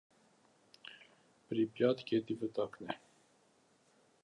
Պրիպյատ գետի վտակն է։